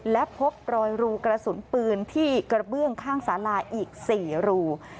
และพบรอยรูกระสุนปืนที่กระเบื้องข้างสาราอีก๔รู